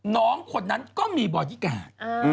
น้องคนนั้นก็มีบอดี้การ์ด